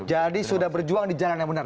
jadi sudah berjuang di jalan yang benar